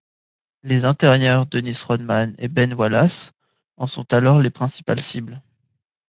Les intérieurs Dennis Rodman et Ben Wallace en sont alors les principales cibles.